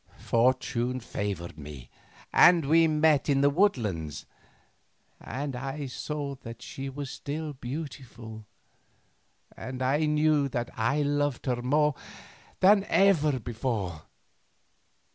Fortune favoured me, and we met in the woodland, and I saw that she was still beautiful and knew that I loved her more than ever before.